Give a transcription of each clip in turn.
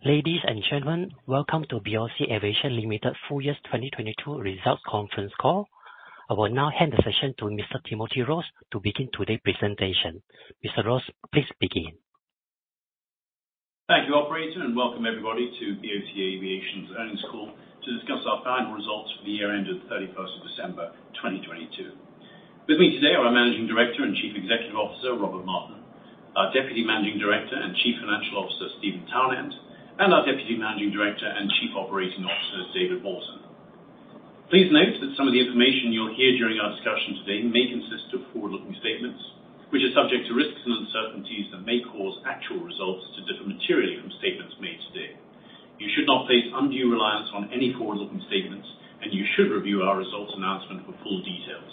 Ladies and gentlemen, welcome to BOC Aviation Limited full year 2022 results conference call. I will now hand the session to Mr. Timothy Ross to begin today presentation. Mr. Ross, please begin. Thank you, operator. Welcome everybody to BOC Aviation's earnings call to discuss our final results for the year end of 31st of December 2022. With me today are our Managing Director and Chief Executive Officer, Robert Martin, our Deputy Managing Director and Chief Financial Officer, Steven Townend, and our Deputy Managing Director and Chief Operating Officer, David Walton. Please note that some of the information you'll hear during our discussion today may consist of forward-looking statements, which are subject to risks and uncertainties that may cause actual results to differ materially from statements made today. You should not place undue reliance on any forward-looking statements. You should review our results announcement for full details.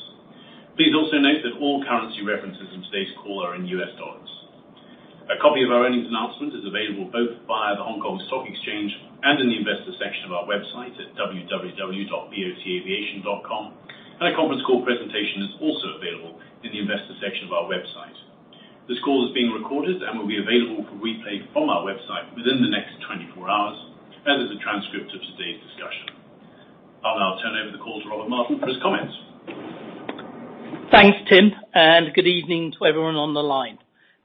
Please also note that all currency references in today's call are in US dollars. A copy of our earnings announcement is available both via the Hong Kong Stock Exchange and in the investor section of our website at www.bocaviation.com. A conference call presentation is also available in the investor section of our website. This call is being recorded and will be available for replay from our website within the next 24 hours, as is a transcript of today's discussion. I'll now turn over the call to Robert Martin for his comments. Thanks, Tim. Good evening to everyone on the line.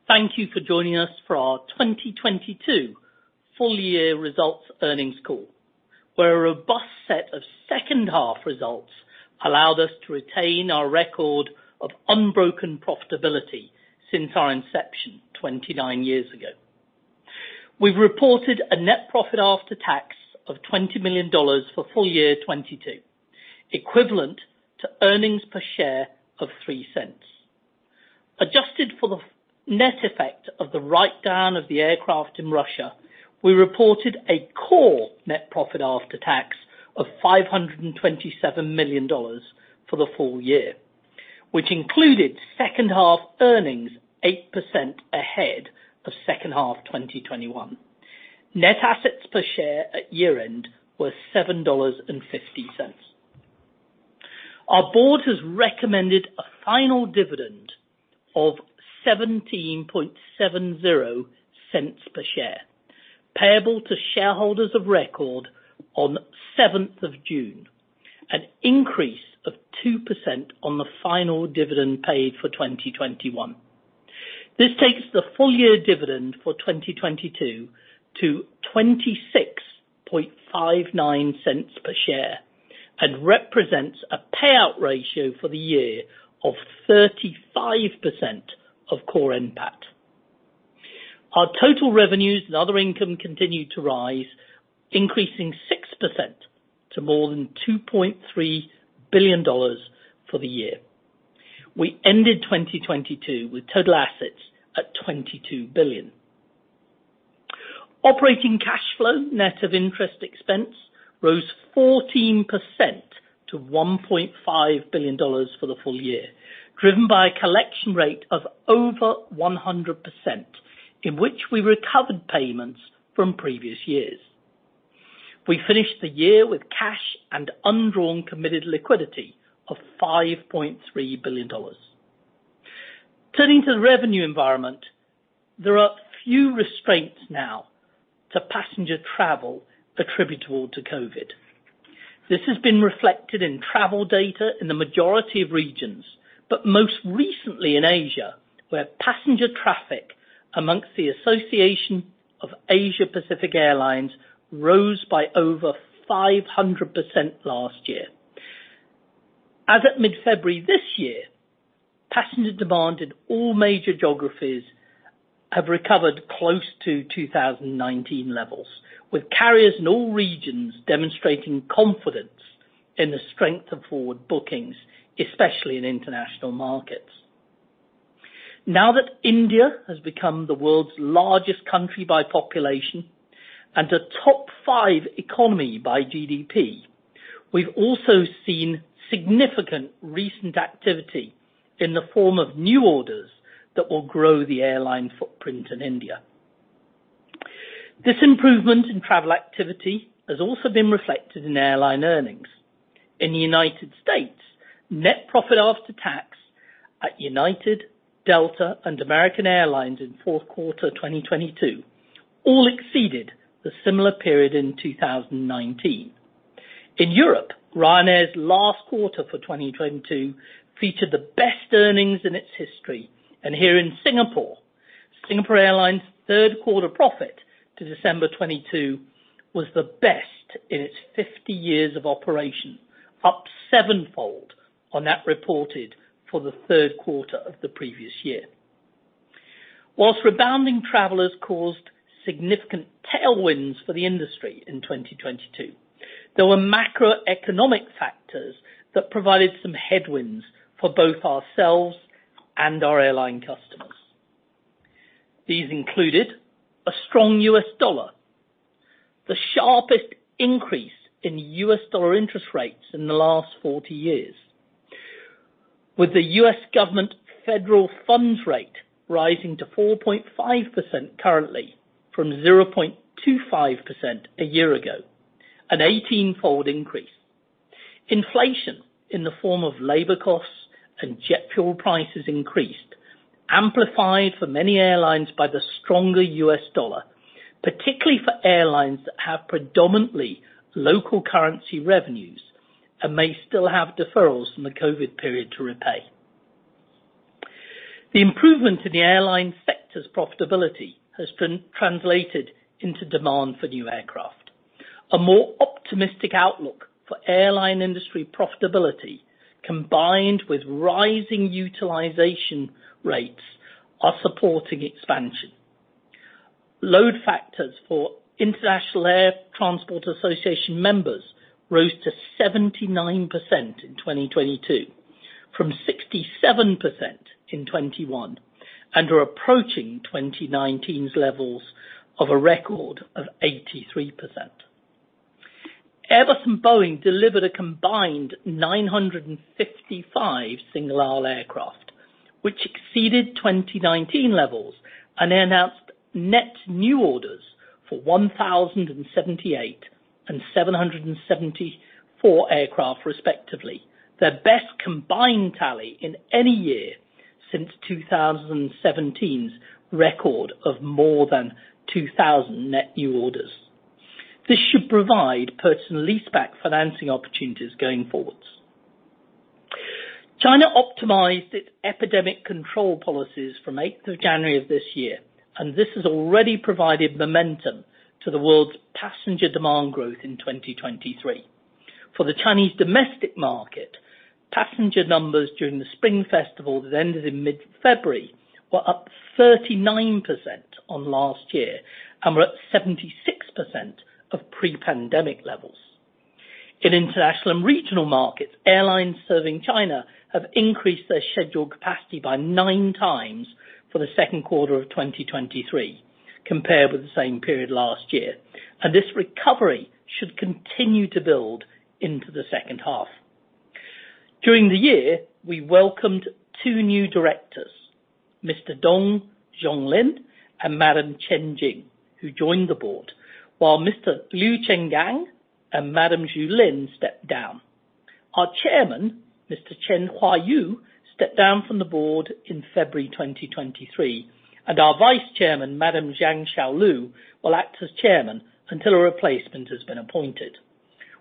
Thank you for joining us for our 2022 full year results earnings call, where a robust set of second half results allowed us to retain our record of unbroken profitability since our inception 29 years ago. We've reported a net profit after tax of $20 million for full year 2022, equivalent to EPS of $0.03. Adjusted for the net effect of the write-down of the aircraft in Russia, we reported a core net profit after tax of $527 million for the full year, which included second half earnings 8% ahead of second half 2021. Net assets per share at year-end were $7.50. Our board has recommended a final dividend of $0.1770 per share, payable to shareholders of record on 7th of June, an increase of 2% on the final dividend paid for 2021. This takes the full year dividend for 2022 to $0.2659 per share and represents a payout ratio for the year of 35% of core NPAT. Our total revenues and other income continued to rise, increasing 6% to more than $2.3 billion for the year. We ended 2022 with total assets at $22 billion. Operating cash flow, net of interest expense, rose 14% to $1.5 billion for the full year, driven by a collection rate of over 100%, in which we recovered payments from previous years. We finished the year with cash and undrawn committed liquidity of $5.3 billion. Turning to the revenue environment, there are few restraints now to passenger travel attributable to COVID. This has been reflected in travel data in the majority of regions, but most recently in Asia, where passenger traffic amongst the Association of Asia Pacific Airlines rose by over 500% last year. As at mid-February this year, passenger demand in all major geographies have recovered close to 2019 levels, with carriers in all regions demonstrating confidence in the strength of forward bookings, especially in international markets. Now that India has become the world's largest country by population and a top 5 economy by GDP, we've also seen significant recent activity in the form of new orders that will grow the airline footprint in India. This improvement in travel activity has also been reflected in airline earnings. In the United States, net profit after tax at United, Delta, and American Airlines in fourth quarter 2022 all exceeded the similar period in 2019. In Europe, Ryanair's last quarter for 2022 featured the best earnings in its history. Here in Singapore Airlines' third quarter profit to December 22 was the best in its 50 years of operation, up sevenfold on that reported for the third quarter of the previous year. Rebounding travelers caused significant tailwinds for the industry in 2022, there were macroeconomic factors that provided some headwinds for both ourselves and our airline customers. These included a strong US dollar, the sharpest increase in US dollar interest rates in the last 40 years, with the US Government Federal Funds rate rising to 4.5% currently from 0.25% a year ago, an 18-fold increase. Inflation in the form of labor costs and jet fuel prices increased, amplified for many airlines by the stronger US dollar, particularly for airlines that have predominantly local currency revenues and may still have deferrals from the COVID period to repay. The improvement in the airline sector's profitability has been translated into demand for new aircraft. A more optimistic outlook for airline industry profitability, combined with rising utilization rates, are supporting expansion. Load factors for International Air Transport Association members rose to 79% in 2022, from 67% in 2021, and are approaching 2019's levels of a record of 83%. Airbus and Boeing delivered a combined 955 single-aisle aircraft, which exceeded 2019 levels. They announced net new orders for 1,078 and 774 aircraft respectively, their best combined tally in any year since 2017's record of more than 2,000 net new orders. This should provide personal leaseback financing opportunities going forwards. China optimized its epidemic control policies from 8th of January of this year. This has already provided momentum to the world's passenger demand growth in 2023. For the Chinese domestic market, passenger numbers during the Spring Festival that ended in mid-February were up 39% on last year and were at 76% of pre-pandemic levels. In international and regional markets, airlines serving China have increased their scheduled capacity by nine times for the second quarter of 2023 compared with the same period last year, and this recovery should continue to build into the second half. During the year, we welcomed two new directors, Mr. Dong Zonglin and Madam Chen Jing, who joined the board, while Mr. Liu Chenggang and Madam Zhu Lin stepped down. Our Chairman, Mr. Chen Huaiyu, stepped down from the board in February 2023, and our Vice Chairman, Madam Zhang Xiaolu, will act as Chairman until a replacement has been appointed.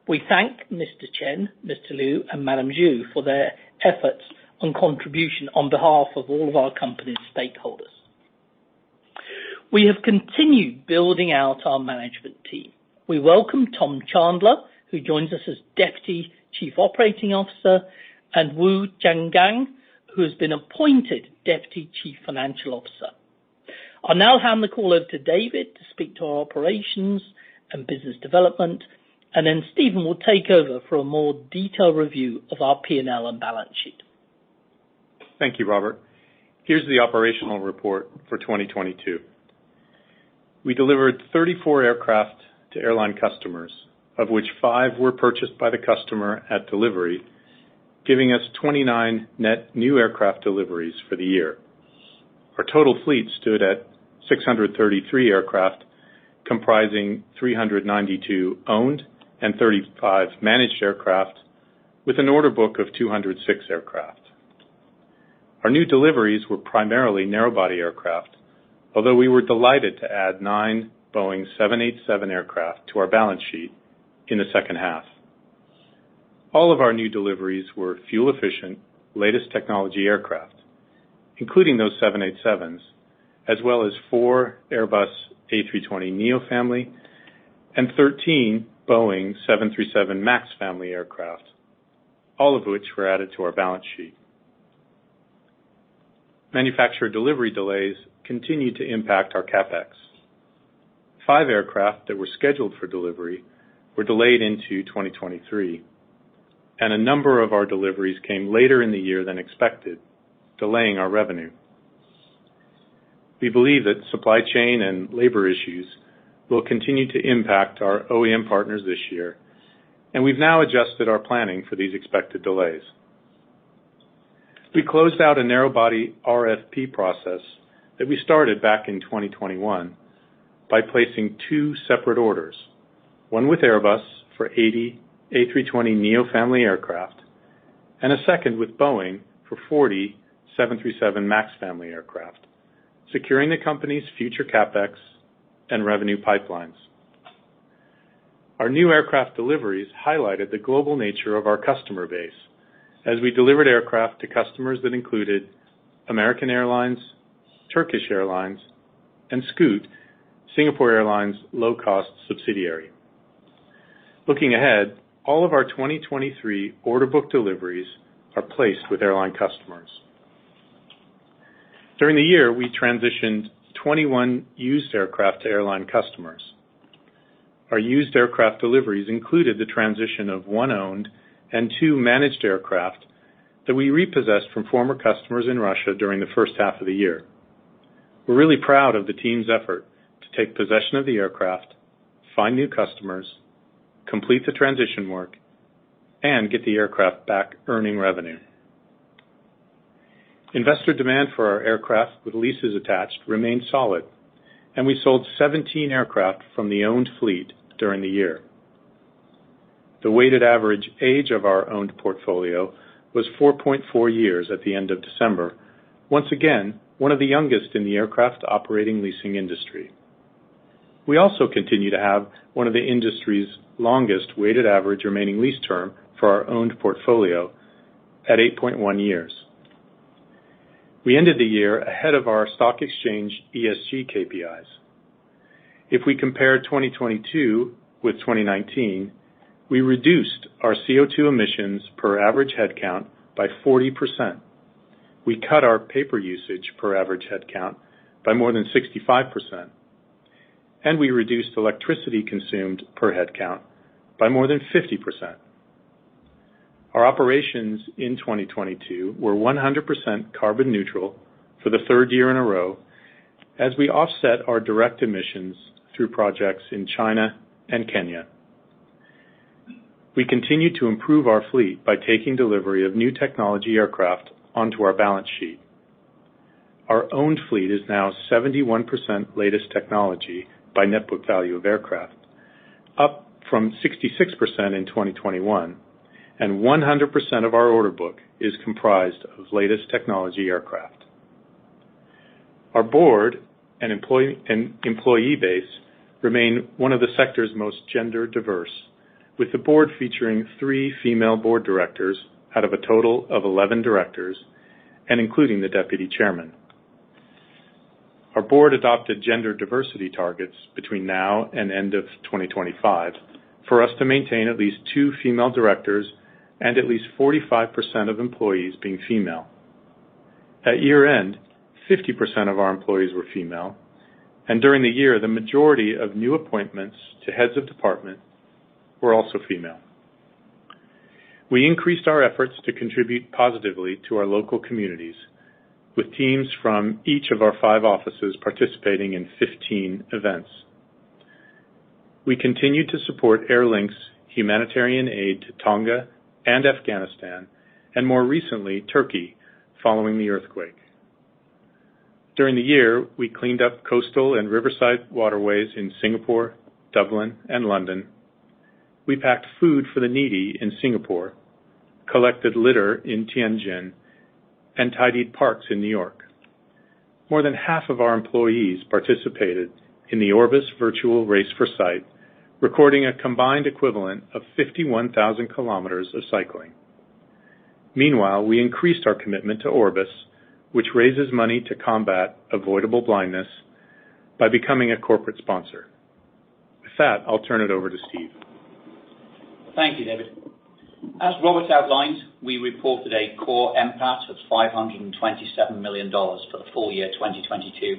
We thank Mr. Chen, Mr. Liu, and Madam Zhu for their efforts and contribution on behalf of all of our company's stakeholders. We have continued building out our management team. We welcome Tom Chandler, who joins us as Deputy Chief Operating Officer, and Wu Jianguang, who has been appointed Deputy Chief Financial Officer. I'll now hand the call over to David to speak to our operations and business development, and then Steven will take over for a more detailed review of our P&L and balance sheet. Thank you, Robert. Here's the operational report for 2022. We delivered 34 aircraft to airline customers, of which five were purchased by the customer at delivery, giving us 29 net new aircraft deliveries for the year. Our total fleet stood at 633 aircraft, comprising 392 owned and 35 managed aircraft, with an order book of 206 aircraft. Our new deliveries were primarily narrow-body aircraft, although we were delighted to add nine Boeing 787 aircraft to our balance sheet in the second half. All of our new deliveries were fuel-efficient, latest technology aircraft, including those 787s, as well as four Airbus A320neo family and 13 Boeing 737 MAX family aircraft, all of which were added to our balance sheet. Manufacturer delivery delays continued to impact our CapEx. Five aircraft that were scheduled for delivery were delayed into 2023. A number of our deliveries came later in the year than expected, delaying our revenue. We believe that supply chain and labor issues will continue to impact our OEM partners this year. We've now adjusted our planning for these expected delays. We closed out a narrow-body RFP process that we started back in 2021 by placing two separate orders, one with Airbus for 80 A320neo family aircraft, and a second with Boeing for 40 737 MAX family aircraft, securing the company's future CapEx and revenue pipelines. Our new aircraft deliveries highlighted the global nature of our customer base as we delivered aircraft to customers that included American Airlines, Turkish Airlines, and Scoot, Singapore Airlines' low-cost subsidiary. Looking ahead, all of our 2023 order book deliveries are placed with airline customers. During the year, we transitioned 21 used aircraft to airline customers. Our used aircraft deliveries included the transition of one owned and two managed aircraft that we repossessed from former customers in Russia during the first half of the year. We're really proud of the team's effort to take possession of the aircraft, find new customers, complete the transition work, and get the aircraft back earning revenue. Investor demand for our aircraft with leases attached remained solid. We sold 17 aircraft from the owned fleet during the year. The weighted average age of our owned portfolio was 4.4 years at the end of December. Once again, one of the youngest in the aircraft operating leasing industry. We also continue to have one of the industry's longest weighted average remaining lease term for our owned portfolio at 8.1 years. We ended the year ahead of our stock exchange ESG KPIs. If we compare 2022 with 2019, we reduced our CO₂ emissions per average headcount by 40%. We cut our paper usage per average headcount by more than 65%, and we reduced electricity consumed per headcount by more than 50%. Our operations in 2022 were 100% carbon neutral for the third year in a row as we offset our direct emissions through projects in China and Kenya. We continue to improve our fleet by taking delivery of new technology aircraft onto our balance sheet. Our own fleet is now 71% latest technology by net book value of aircraft, up from 66% in 2021, and 100% of our order book is comprised of latest technology aircraft. Our board and employee base remain one of the sector's most gender diverse, with the board featuring three female board directors out of a total of 11 directors and including the Deputy Chairman. Our board adopted gender diversity targets between now and end of 2025 for us to maintain at least teo female directors and at least 45% of employees being female. At year-end, 50% of our employees were female, and during the year, the majority of new appointments to heads of department were also female. We increased our efforts to contribute positively to our local communities with teams from each of our five offices participating in 15 events. We continued to support Airlink humanitarian aid to Tonga and Afghanistan and more recently, Turkey, following the earthquake. During the year, we cleaned up coastal and riverside waterways in Singapore, Dublin, and London. We packed food for the needy in Singapore, collected litter in Tianjin, and tidied parks in New York. More than half of our employees participated in the Orbis Virtual Race4Sight, recording a combined equivalent of 51,000 kilometers of cycling. Meanwhile, we increased our commitment to Orbis, which raises money to combat avoidable blindness by becoming a corporate sponsor. With that, I'll turn it over to Steve. Thank you, David. As Robert outlined, we reported a core NPAT of $527 million for the full year 2022,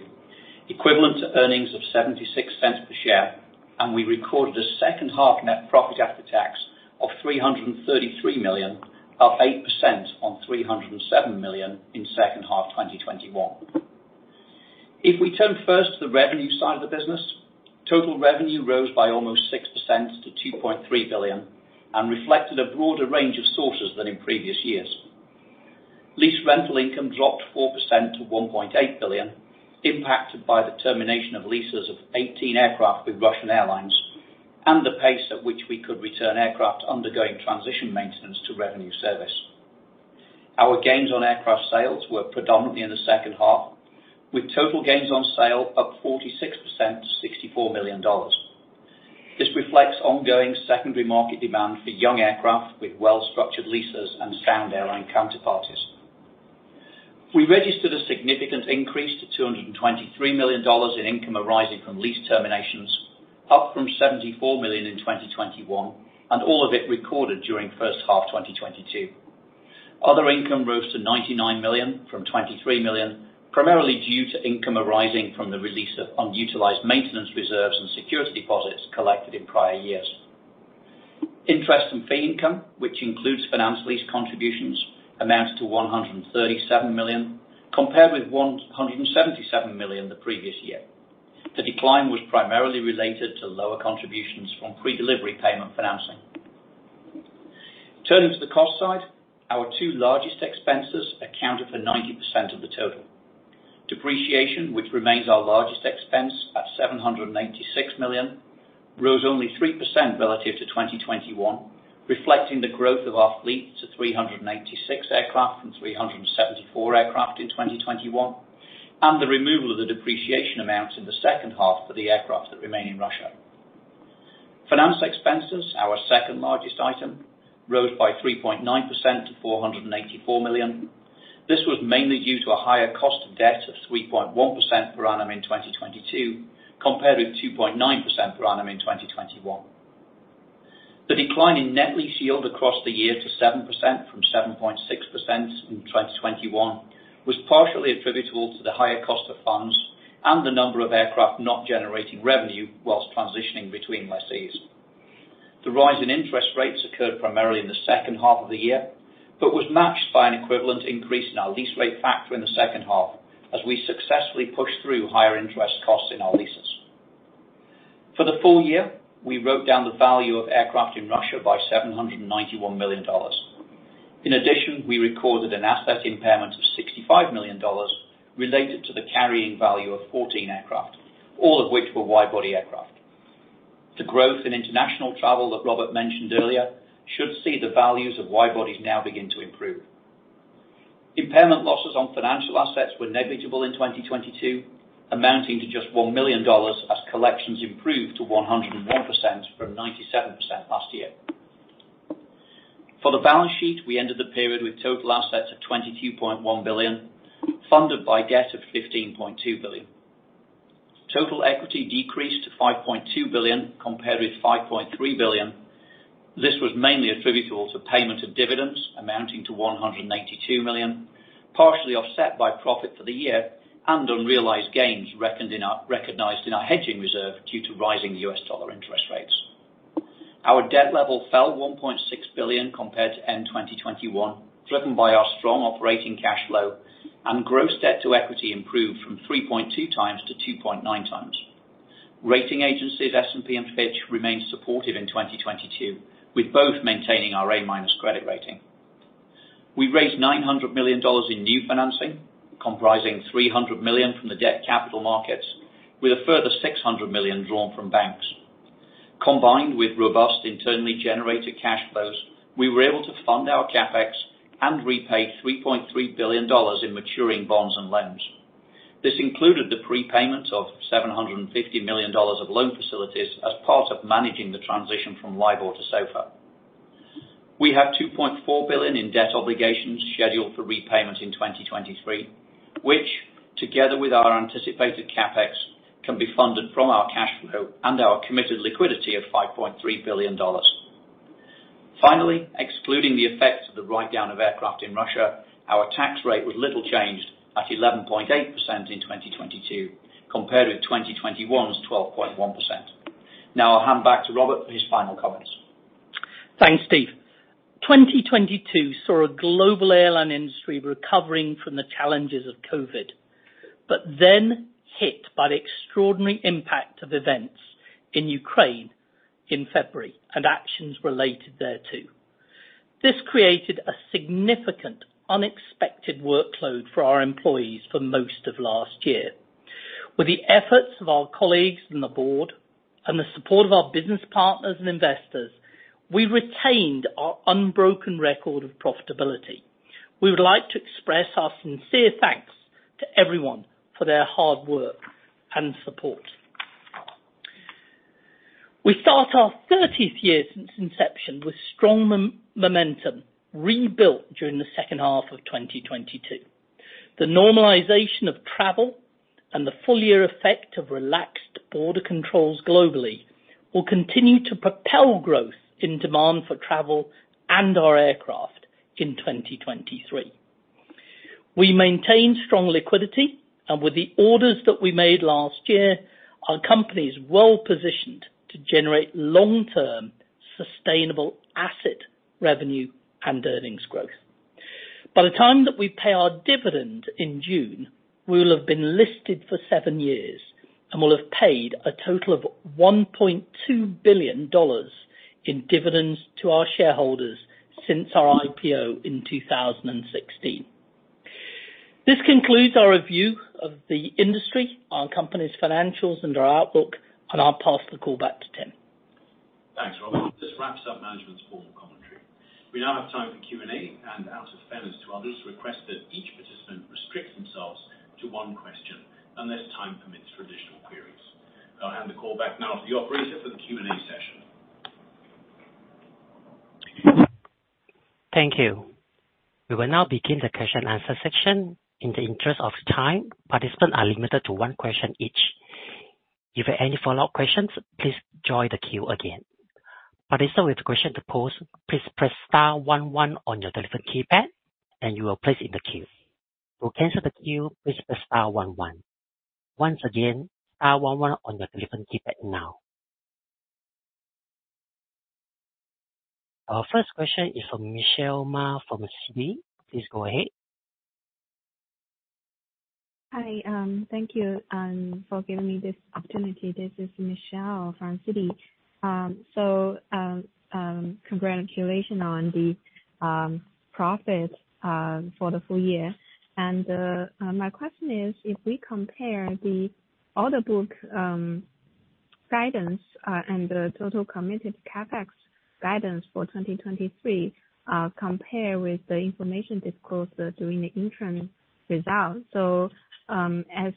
equivalent to earnings of $0.76 per share, and we recorded a second half net profit after tax of $333 million, up 8% on $307 million in second half 2021. If we turn first to the revenue side of the business, total revenue rose by almost 6% to $2.3 billion and reflected a broader range of sources than in previous years. Lease rental income dropped 4% to $1.8 billion, impacted by the termination of leases of 18 aircraft with Russian airlines and the pace at which we could return aircraft undergoing transition maintenance to revenue service. Our gains on aircraft sales were predominantly in the second half, with total gains on sale up 46% to $64 million. This reflects ongoing secondary market demand for young aircraft with well-structured leases and sound airline counterparties. We registered a significant increase to $223 million in income arising from lease terminations, up from $74 million in 2021. All of it recorded during first half 2022. Other income rose to $99 million from $23 million, primarily due to income arising from the release of unutilized maintenance reserves and security deposits collected in prior years. Interest and fee income, which includes finance lease contributions, amounts to $137 million, compared with $177 million the previous year. The decline was primarily related to lower contributions from predelivery payment financing. Turning to the cost side, our two largest expenses accounted for 90% of the total. Depreciation, which remains our largest expense at $796 million, rose only 3% relative to 2021, reflecting the growth of our fleet to 386 aircraft from 374 aircraft in 2021, and the removal of the depreciation amounts in the second half for the aircraft that remain in Russia. Finance expenses, our second largest item, rose by 3.9% to $484 million. This was mainly due to a higher cost of debt of 3.1% per annum in 2022, compared with 2.9% per annum in 2021. The decline in net lease yield across the year to 7% from 7.6% in 2021 was partially attributable to the higher cost of funds and the number of aircraft not generating revenue while transitioning between lessees. The rise in interest rates occurred primarily in the second half of the year, but was matched by an equivalent increase in our lease rate factor in the second half as we successfully pushed through higher interest costs in our leases. For the full year, we wrote down the value of aircraft in Russia by $791 million. In addition, we recorded an asset impairment of $65 million related to the carrying value of 14 aircraft, all of which were wide-body aircraft. The growth in international travel that Robert mentioned earlier should see the values of wide-bodies now begin to improve. Impairment losses on financial assets were negligible in 2022, amounting to just $1 million as collections improved to 101% from 97% last year. For the balance sheet, we ended the period with total assets of $22.1 billion, funded by debt of $15.2 billion. Total equity decreased to $5.2 billion compared with $5.3 billion. This was mainly attributable to payment of dividends amounting to $182 million, partially offset by profit for the year and unrealized gains recognized in our hedging reserve due to rising US dollar interest rates. Our debt level fell $1.6 billion compared to end 2021, driven by our strong operating cash flow and gross debt to equity improved from 3.2x-2.9x. Rating agencies S&P and Fitch remained supportive in 2022, with both maintaining our A- credit rating. We raised $900 million in new financing, comprising $300 million from the debt capital markets with a further $600 million drawn from banks. Combined with robust internally generated cash flows, we were able to fund our CapEx and repay $3.3 billion in maturing bonds and loans. This included the prepayment of $750 million of loan facilities as part of managing the transition from LIBOR to SOFR. We have $2.4 billion in debt obligations scheduled for repayment in 2023, which together with our anticipated CapEx, can be funded from our cash flow and our committed liquidity of $5.3 billion. Finally, excluding the effect of the write-down of aircraft in Russia, our tax rate was little changed at 11.8% in 2022 compared with 2021's 12.1%. Now I'll hand back to Robert for his final comments. Thanks, Steve. 2022 saw a global airline industry recovering from the challenges of COVID, but then hit by the extraordinary impact of events in Ukraine in February and actions related thereto. This created a significant unexpected workload for our employees for most of last year. With the efforts of our colleagues and the Board and the support of our business partners and investors, we retained our unbroken record of profitability. We would like to express our sincere thanks to everyone for their hard work and support. We start our 30th year since inception with strong momentum rebuilt during the second half of 2022. The normalization of travel and the full year effect of relaxed border controls globally will continue to propel growth in demand for travel and our aircraft in 2023. We maintain strong liquidity, and with the orders that we made last year, our company is well-positioned to generate long-term, sustainable asset revenue and earnings growth. By the time that we pay our dividend in June, we will have been listed for seven years and will have paid a total of $1.2 billion in dividends to our shareholders since our IPO in 2016. This concludes our review of the industry, our company's financials, and our outlook, and I'll pass the call back to Tim. Thanks, Robert. This wraps up management's formal commentary. We now have time for Q&A and out of fairness to others, request that each participant restricts themselves to one question unless time permits for additional queries. I'll hand the call back now to the operator for the Q&A session. Thank you. We will now begin the question and answer section. In the interest of time, participants are limited to one question each. If you have any follow-up questions, please join the queue again. Participant with a question to pose, please press star one one on your telephone keypad and you will place in the queue. To cancel the queue, please press star one one. Once again, star one one on your telephone keypad now. Our first question is from Michelle Ma from Citi. Please go ahead. Hi. Thank you for giving me this opportunity. This is Michelle from Citi. Congratulations on the profit for the full year. My question is, if we compare the order book guidance and the total committed CapEx guidance for 2023, compare with the information disclosed during the interim results. As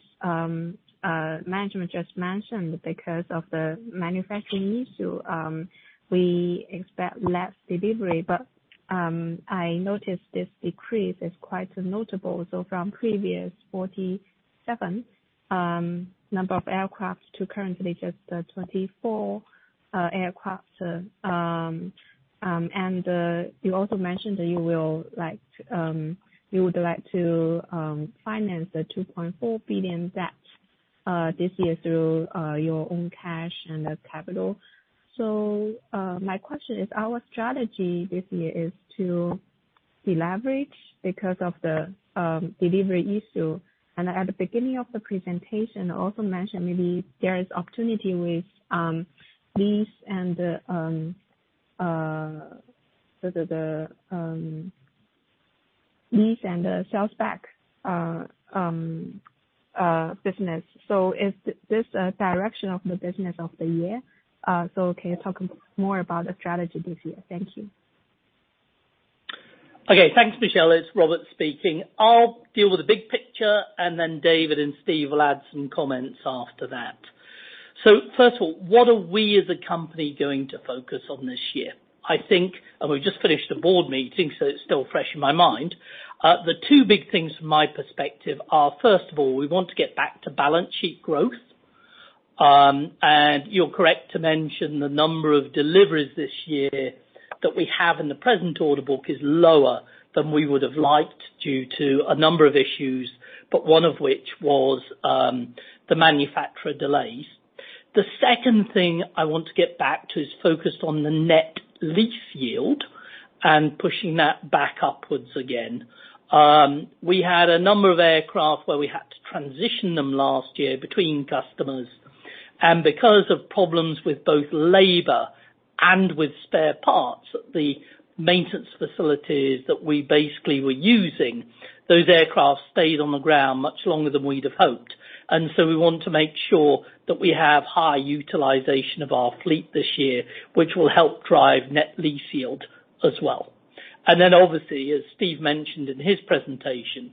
management just mentioned, because of the manufacturing issue, we expect less delivery. I noticed this decrease is quite notable. From previous 47 number of aircraft to currently just 24 aircraft. You also mentioned that you would like to finance the $2.4 billion debt this year through your own cash and the capital. My question is, our strategy this year is to deleverage because of the delivery issue. At the beginning of the presentation, also mentioned maybe there is opportunity with lease and the lease and sales back business. Is this a direction of the business of the year? Can you talk more about the strategy this year? Thank you. Thanks Michelle. It's Robert speaking. I'll deal with the big picture, then David and Steven will add some comments after that. First of all, what are we as a company going to focus on this year? We just finished a board meeting, so it's still fresh in my mind. The two big things from my perspective are, first of all, we want to get back to balance sheet growth. You're correct to mention the number of deliveries this year that we have in the present order book is lower than we would have liked due to a number of issues. One of which was the manufacturer delays. The second thing I want to get back to is focused on the net lease yield and pushing that back upwards again. We had a number of aircraft where we had to transition them last year between customers, and because of problems with both labor and with spare parts, the maintenance facilities that we basically were using, those aircraft stayed on the ground much longer than we'd have hoped. We want to make sure that we have high utilization of our fleet this year, which will help drive net lease yield as well. Obviously, as Steve mentioned in his presentation,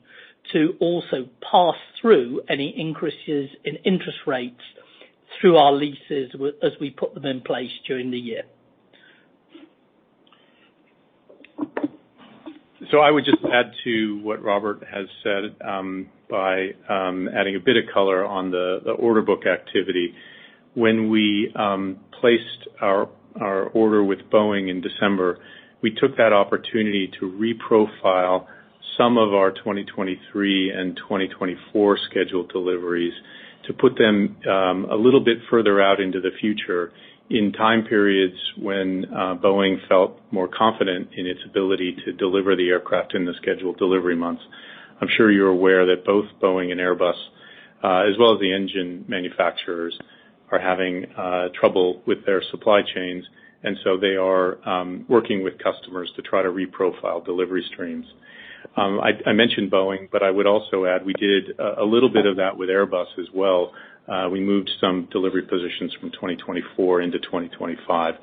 to also pass through any increases in interest rates through our leases as we put them in place during the year. I would just add to what Robert has said, by adding a bit of color on the order book activity. When we placed our order with Boeing in December, we took that opportunity to re-profile some of our 2023 and 2024 scheduled deliveries to put them a little bit further out into the future in time periods when Boeing felt more confident in its ability to deliver the aircraft in the scheduled delivery months. I'm sure you're aware that both Boeing and Airbus, as well as the engine manufacturers, are having trouble with their supply chains, they are working with customers to try to re-profile delivery streams. I mentioned Boeing, but I would also add we did a little bit of that with Airbus as well. We moved some delivery positions from 2024 into 2025.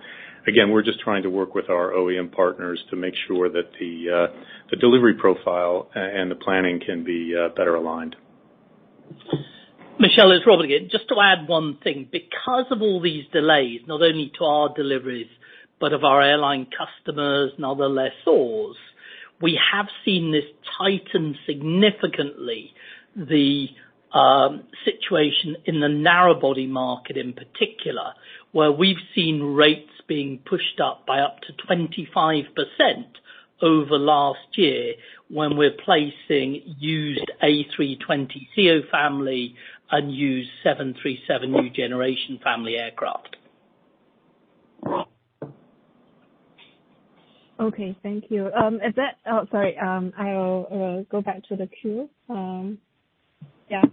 We're just trying to work with our OEM partners to make sure that the delivery profile and the planning can be better aligned. Michelle, it's Robert again. Just to add one thing. Because of all these delays, not only to our deliveries, but of our airline customers and other lessors, we have seen this tighten significantly the situation in the narrow body market in particular, where we've seen rates being pushed up by up to 25% over last year when we're placing used A320ceo family and used 737 Next Generation family aircraft. Okay, thank you. Oh, sorry. I'll go back to the queue. Yeah.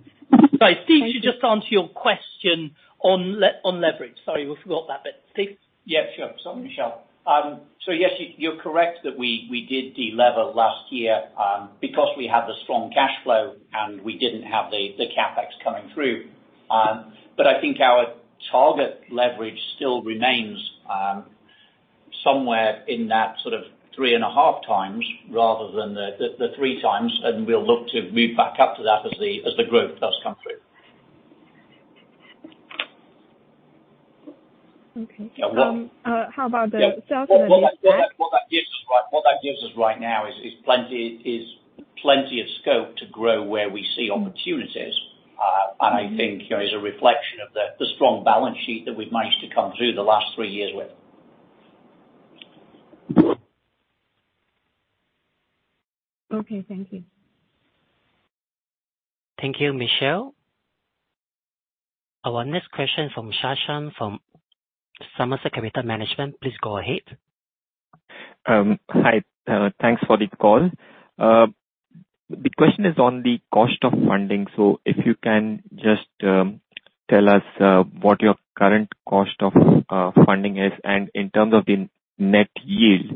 Sorry, Steve, to just answer your question on leverage. Sorry, we forgot that bit. Steve? Yeah, sure. Sorry, Michelle. Yes, you're correct that we did delever last year, because we had the strong cash flow, and we didn't have the CapEx coming through. I think our target leverage still remains somewhere in that sort of 3.5x rather than the 3x, and we'll look to move back up to that as the growth does come through. Okay. How about the sale and leaseback? What that gives us right now is plenty of scope to grow where we see opportunities. I think there is a reflection of the strong balance sheet that we've managed to come through the last three years with. Okay, thank you. Thank you, Michelle. Our next question from Shashank from Somerset Capital Management, please go ahead. Hi. Thanks for the call. The question is on the cost of funding. If you can just tell us what your current cost of funding is, and in terms of the net lease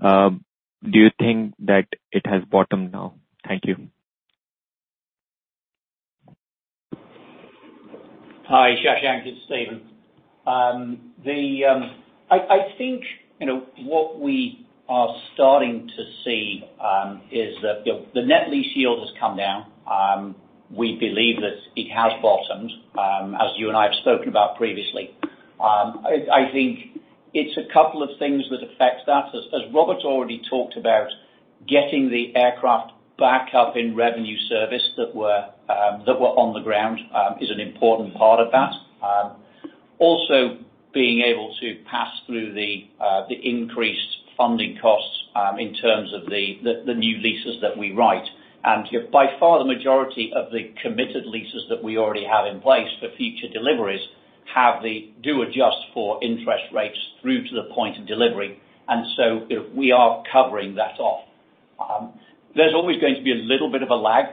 yield, do you think that it has bottomed now? Thank you. Hi, Shashank, it's Steven. I think, you know, what we are starting to see is that the net lease yield has come down. We believe that it has bottomed, as you and I have spoken about previously. I think it's a couple of things that affect us. As Robert's already talked about, getting the aircraft back up in revenue service that were on the ground is an important part of that. Also being able to pass through the increased funding costs in terms of the new leases that we write. By far, the majority of the committed leases that we already have in place for future deliveries do adjust for interest rates through to the point of delivery. So we are covering that off. There's always going to be a little bit of a lag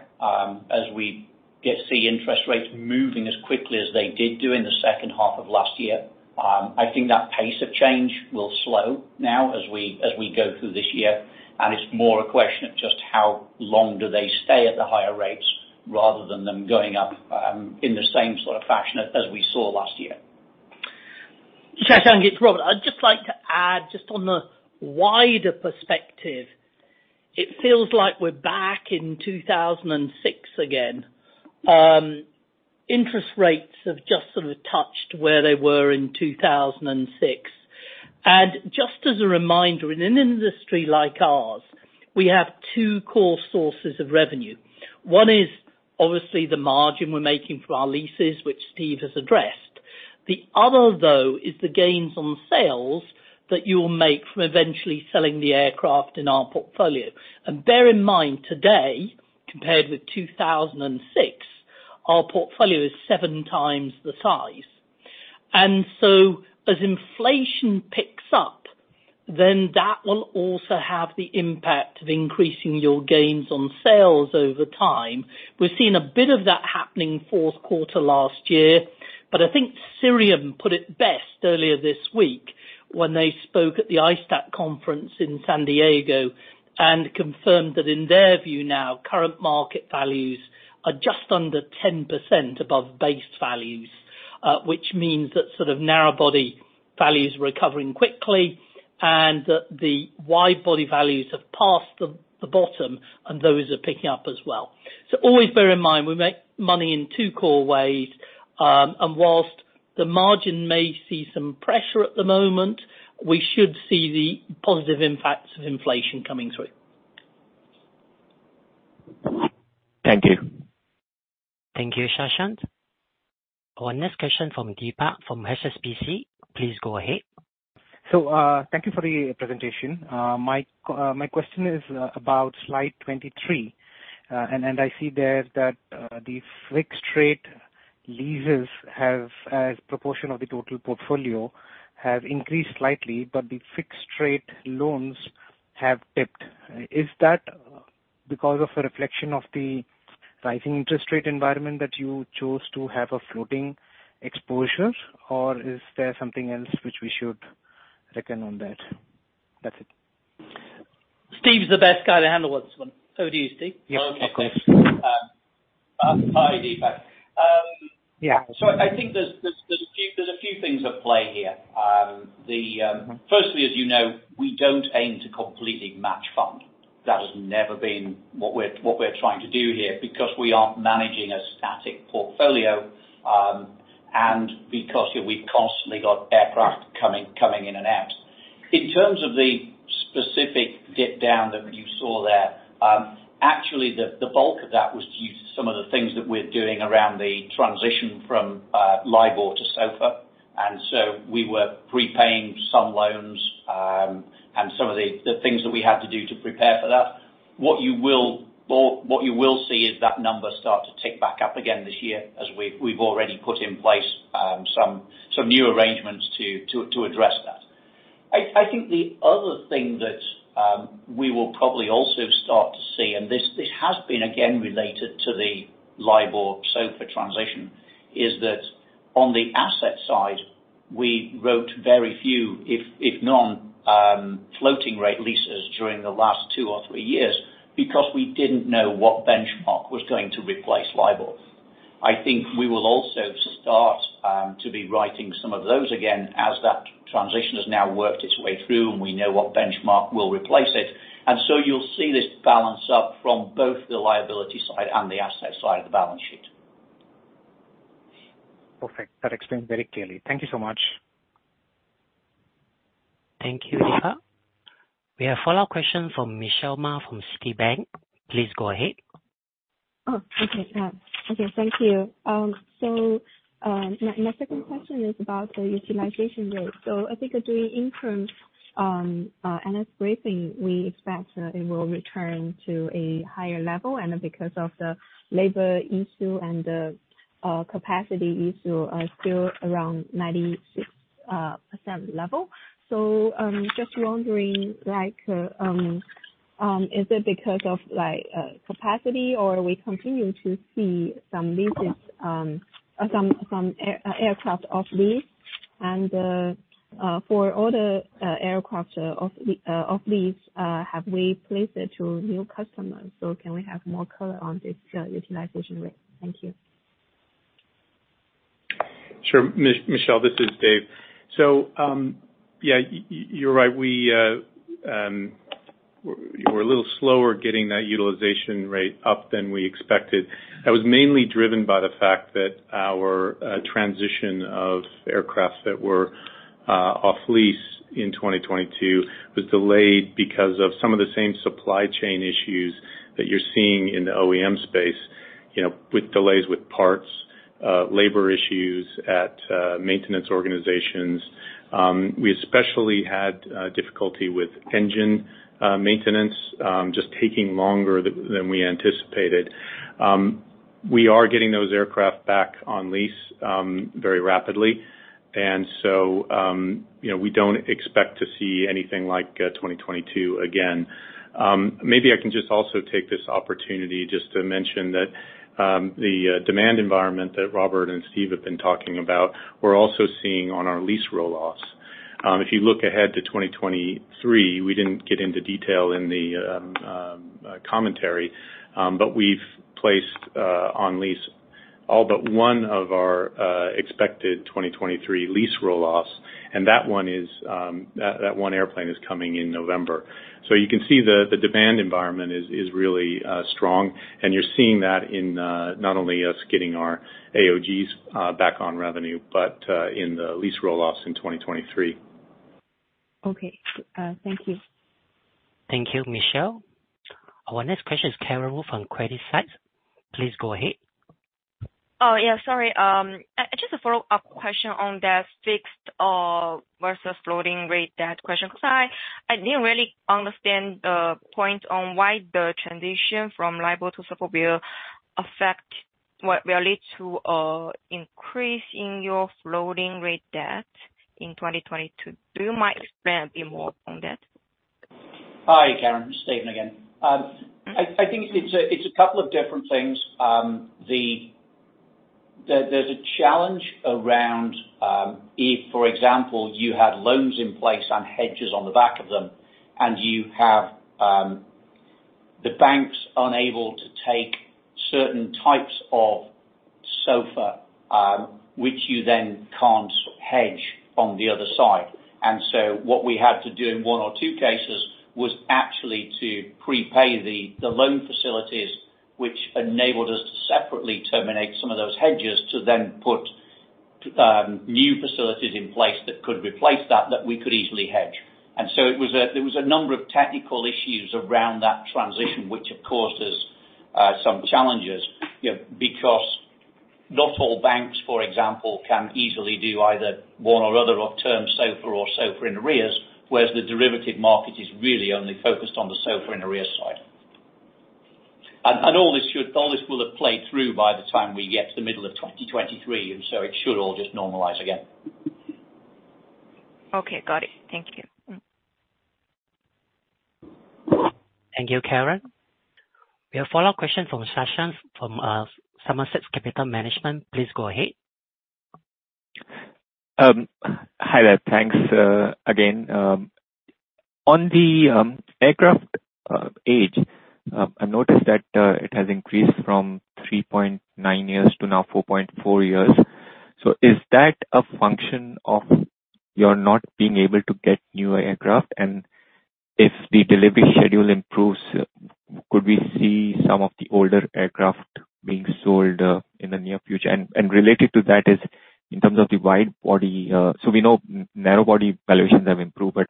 as we get to see interest rates moving as quickly as they did do in the second half of last year. I think that pace of change will slow now as we go through this year, and it's more a question of just how long do they stay at the higher rates rather than them going up in the same sort of fashion as we saw last year. Shashank, it's Robert. I'd just like to add just on the wider perspective, it feels like we're back in 2006 again. Interest rates have just sort of touched where they were in 2006. Just as a reminder, in an industry like ours, we have two core sources of revenue. One is obviously the margin we're making from our leases, which Steven has addressed. The other, though, is the gains on sales that you'll make from eventually selling the aircraft in our portfolio. Bear in mind, today, compared with 2006, our portfolio is seven times the size. As inflation picks up, then that will also have the impact of increasing your gains on sales over time. We've seen a bit of that happening fourth quarter last year, I think Cirium put it best earlier this week when they spoke at the ISTAT conference in San Diego and confirmed that in their view now, current market values are just under 10% above base values, which means that sort of narrow body value is recovering quickly and that the wide body values have passed the bottom and those are picking up as well. Always bear in mind, we make money in two core ways. Whilst the margin may see some pressure at the moment, we should see the positive impacts of inflation coming through. Thank you. Thank you, Shashank. Our next question from Deepak from HSBC. Please go ahead. Thank you for the presentation. My question is about Slide 23. I see there that the fixed rate leases have, as proportion of the total portfolio, have increased slightly, but the fixed rate loans have dipped. Is that because of a reflection of the rising interest rate environment that you chose to have a floating exposure, or is there something else which we should reckon on that? That's it. Steve's the best guy to handle this one. Over to you, Steve. Yeah, of course. Okay. Hi, Deepak. Yeah. I think there's a few things at play here. Firstly, as you know, we don't aim to completely match fund. That has never been what we're trying to do here because we aren't managing a static portfolio, and because we've constantly got aircraft coming in and out. In terms of the specific dip down that you saw there, actually the bulk of that was due to some of the things that we're doing around the transition from LIBOR to SOFR. We were prepaying some loans, and some of the things that we had to do to prepare for that. What you will, or what you will see is that number start to tick back up again this year as we've already put in place some new arrangements to address that. I think the other thing that we will probably also start to see, and this has been again related to the LIBOR-SOFR transition, is that on the asset side, we wrote very few, if none, floating rate leases during the last two or three years because we didn't know what benchmark was going to replace LIBOR. I think we will also start to be writing some of those again as that transition has now worked its way through and we know what benchmark will replace it. You'll see this balance up from both the liability side and the asset side of the balance sheet. Perfect. That explains very clearly. Thank you so much. Thank you, Deepak. We have a follow-up question from Michelle Ma from Citibank. Please go ahead. Oh, okay. Okay, thank you. My, my second question is about the utilization rate. I think during interim analyst briefing, we expect it will return to a higher level. Because of the labor issue and the capacity issue are still around 96% level. Just wondering, like, is it because of like capacity or we continue to see some leases, some aircraft off lease and for all the aircraft off lease, have we placed it to new customers? Can we have more color on this utilization rate? Thank you. Sure. Michelle, this is Dave. You're right. We're a little slower getting that utilization rate up than we expected. That was mainly driven by the fact that our transition of aircraft that were off lease in 2022 was delayed because of some of the same supply chain issues that you're seeing in the OEM space, you know, with delays with parts, labor issues at maintenance organizations. We especially had difficulty with engine maintenance, just taking longer than we anticipated. We are getting those aircraft back on lease very rapidly. You know, we don't expect to see anything like 2022 again. Maybe I can just also take this opportunity just to mention that the demand environment that Robert and Steve have been talking about, we're also seeing on our lease roll-offs. If you look ahead to 2023, we didn't get into detail in the commentary. We've placed on lease all but one of our expected 2023 lease roll-offs, and that one airplane is coming in November. You can see the demand environment is really strong. You're seeing that in not only us getting our AOGs back on revenue, but in the lease roll-offs in 2023. Okay. Thank you. Thank you, Michelle. Our next question is Karen Wu from CreditSights. Please go ahead. Oh, yeah, sorry. Just a follow-up question on that fixed versus floating rate debt question, because I didn't really understand the point on why the transition from LIBOR to SOFR will affect what we lead to increase in your floating rate debt in 2022. Do you mind expanding more on that? Hi, Karen. It's Steven again. I think it's a couple of different things. There's a challenge around, if for example, you had loans in place and hedges on the back of them, and you have, the banks unable to take certain types of SOFR, which you then can't hedge on the other side. What we had to do in one or two cases was actually to prepay the loan facilities which enabled us to separately terminate some of those hedges to then put new facilities in place that could replace that we could easily hedge. It was a number of technical issues around that transition, which of course has some challenges, you know, because not all banks, for example, can easily do either one or other of Term SOFR or SOFR in arrears, whereas the derivative market is really only focused on the SOFR in arrears side. All this should, all this will have played through by the time we get to the middle of 2023, and so it should all just normalize again. Okay, got it. Thank you. Thank you, Karen. We have follow-up question from Shashank from Somerset Capital Management. Please go ahead. Hi there. Thanks again. On the aircraft age, I noticed that it has increased from 3.9 years to now 4.4 years. Is that a function of you're not being able to get new aircraft? If the delivery schedule improves, could we see some of the older aircraft being sold in the near future? Related to that is in terms of the wide body, we know narrow body valuations have improved, but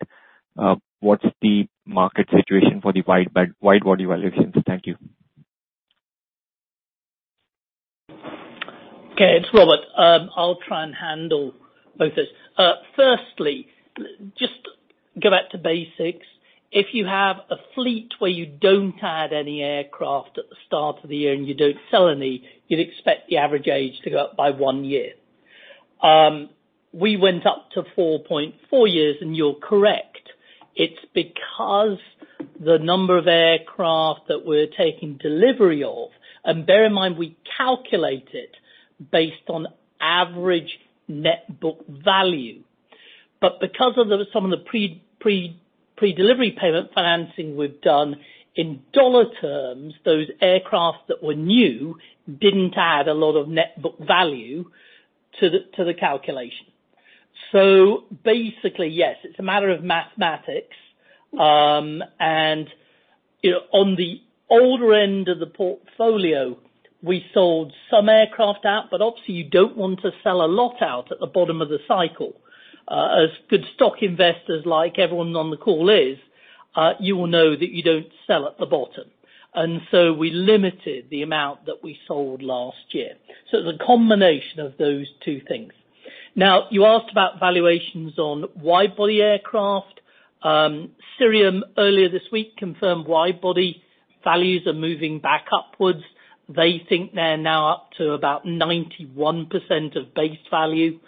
what's the market situation for the wide body valuations? Thank you. Okay, it's Robert. I'll try and handle both those. Firstly, just go back to basics. If you have a fleet where you don't add any aircraft at the start of the year and you don't sell any, you'd expect the average age to go up by one year. We went up to 4.4 years, and you're correct. It's because the number of aircraft that we're taking delivery of. Bear in mind, we calculate it based on average net book value. Because of the some of the pre-delivery payment financing we've done in dollar terms, those aircraft that were new didn't add a lot of net book value to the, to the calculation. Basically, yes, it's a matter of mathematics. You know, on the older end of the portfolio, we sold some aircraft out, but obviously you don't want to sell a lot out at the bottom of the cycle. As good stock investors like everyone on the call is, you will know that you don't sell at the bottom. We limited the amount that we sold last year. It's a combination of those two things. You asked about valuations on wide body aircraft. Cirium earlier this week confirmed wide body values are moving back upwards. They think they're now up to about 91% of base value.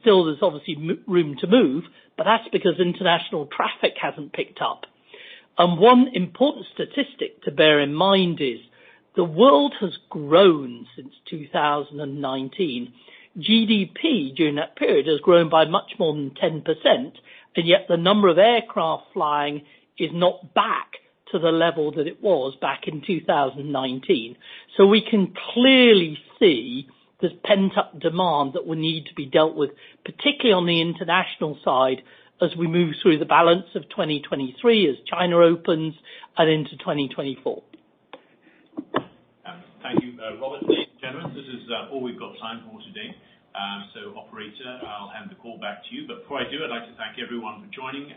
Still there's obviously room to move, but that's because international traffic hasn't picked up. One important statistic to bear in mind is the world has grown since 2019. GDP during that period has grown by much more than 10%, Yet the number of aircraft flying is not back to the level that it was back in 2019. We can clearly see there's pent-up demand that will need to be dealt with, particularly on the international side as we move through the balance of 2023 as China opens and into 2024. Thank you, Robert. Ladies and gentlemen, this is all we've got time for today. Operator, I'll hand the call back to you. Before I do, I'd like to thank everyone for joining.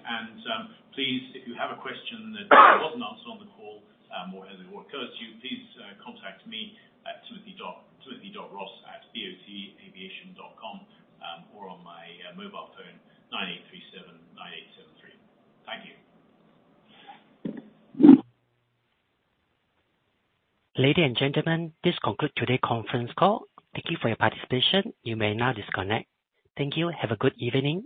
Please, if you have a question that wasn't answered on the call, or as it occurs to you, please contact me at Timothy.Ross@bocaviation.com, or on my mobile phone, 98379873. Thank you. Ladies and gentlemen, this concludes today's conference call. Thank you for your participation. You may now disconnect. Thank you. Have a good evening.